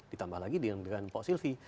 ditambah lagi dengan pak silvi